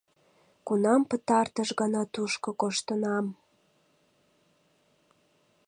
Кунам пытартыш гана тушко коштынам?..